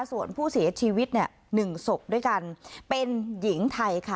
ส่วนผู้เสียชีวิตเนี่ย๑ศพด้วยกันเป็นหญิงไทยค่ะ